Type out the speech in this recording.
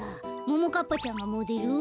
ももかっぱちゃんがモデル？